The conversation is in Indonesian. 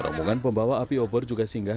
rombongan pembawa api obor juga singgah